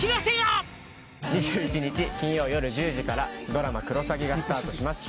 ２１日金曜よる１０時からドラマ「クロサギ」がスタートします